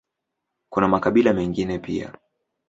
Kuna makabila mengine pia.